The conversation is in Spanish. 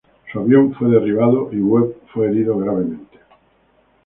Su avión fue derribado y Webb fue herido gravemente.